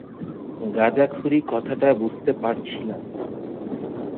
গাঁজাখুরি কথাটা বুঝতে পারছি না।